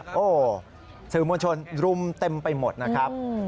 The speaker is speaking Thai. โอ้โหสื่อมวลชนรุมเต็มไปหมดนะครับ